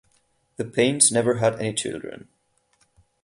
The Paynes never had any children.